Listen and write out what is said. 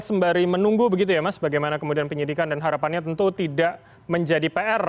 sembari menunggu begitu ya mas bagaimana kemudian penyidikan dan harapannya tentu tidak menjadi pr